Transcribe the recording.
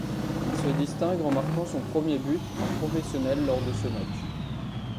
Il se distingue en marquant son premier but en professionnel lors de ce match.